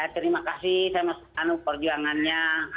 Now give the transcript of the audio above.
terima kasih sama perjuangannya